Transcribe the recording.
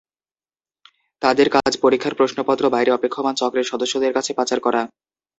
তাঁদের কাজ পরীক্ষার প্রশ্নপত্র বাইরে অপেক্ষমাণ চক্রের সদস্যদের কাছে পাচার করা।